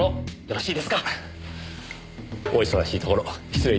お忙しいところ失礼致しました。